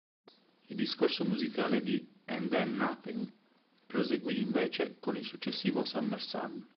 Il discorso musicale di "And Then Nothing" proseguì, invece, con il successivo "Summer Sun".